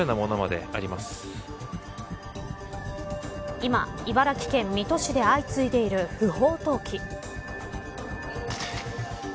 今、茨城県水戸市で相次いでいる不法投棄。